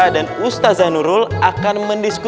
dia sedang patrick